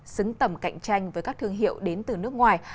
xứng tầm cạnh tranh với các thương hiệu đến từ nước ngoài